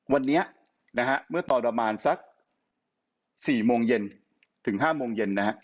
วันนี้เมื่อต่อประมาณสัก๔๕โมงเย็น